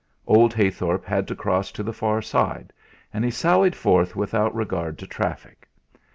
Old Heythorp had to cross to the far side, and he sallied forth without regard to traffic.